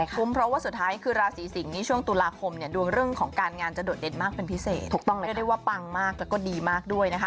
คุ้มเพราะว่าสุดท้ายคือราศีสิงศ์นี้ช่วงตุลาคมเนี่ยดวงเรื่องของการงานจะโดดเด่นมากเป็นพิเศษเรียกได้ว่าปังมากแล้วก็ดีมากด้วยนะคะ